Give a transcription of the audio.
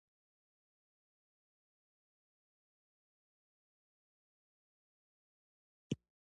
دا چاره په مسلکي طریقه د خپل نظر د بیان له لارې امکان لري